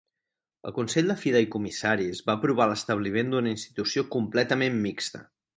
El Consell de Fideïcomissaris va aprovar l'establiment d'una institució completament mixta.